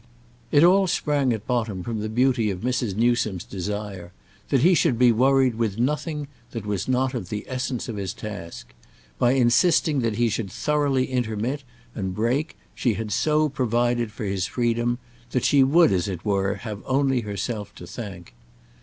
It all sprang at bottom from the beauty of Mrs. Newsome's desire that he should be worried with nothing that was not of the essence of his task; by insisting that he should thoroughly intermit and break she had so provided for his freedom that she would, as it were, have only herself to thank.